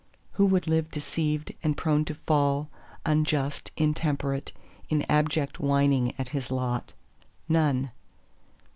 Who would live deceived and prone to fall, unjust, intemperate, in abject whining at his lot?—None.